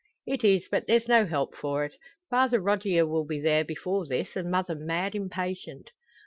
"It is. But there's no help for it. Father Rogier will be there before this, and mother mad impatient."